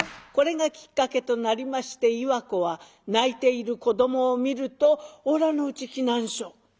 これがきっかけとなりまして岩子は泣いている子どもを見ると「おらのうち来なんしょ」。